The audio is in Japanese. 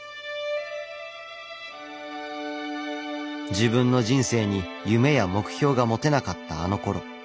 自分の人生に夢や目標が持てなかったあのころ。